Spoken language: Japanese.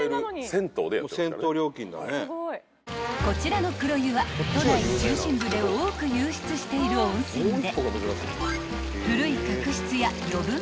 ［こちらの黒湯は都内中心部で多く湧出している温泉で］